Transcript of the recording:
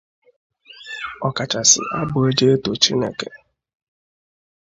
ọkachasị abụ e ji eto Chineke.